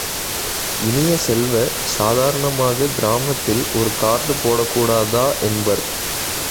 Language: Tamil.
இனிய செல்வ, சாதாரணமாகக் கிராமத்தில் ஒரு கார்டு போடக்கூடாதா? என்பர்.